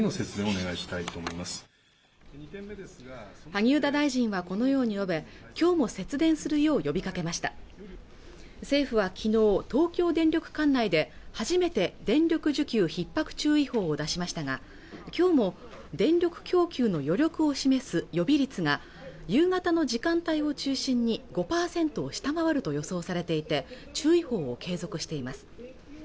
萩生田大臣はこのように述べきょうも節電するよう呼びかけました政府はきのう東京電力管内で初めて電力需給ひっ迫注意報を出しましたが今日も電力供給の余力を示す予備率が夕方の時間帯を中心に５％を下回ると予想されていて注意報も継続しています